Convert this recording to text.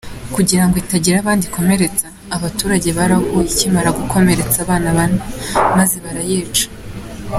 Kugira ngo itagira abandi ikomeretsa, abaturage barahuruye ikimara gukomeretsa aba bane, maze barayica.